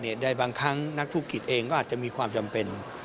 ใดบางครั้งนักธุรกิจเองก็อาจจะมีความจำเป็น